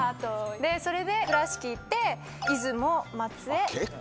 でそれで倉敷行って出雲松江。